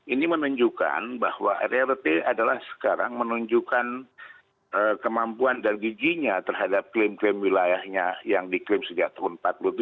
ini menunjukkan bahwa rrt adalah sekarang menunjukkan kemampuan dan giginya terhadap klaim klaim wilayahnya yang diklaim sejak tahun